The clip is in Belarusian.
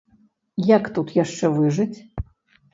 Як тут яшчэ выжыць?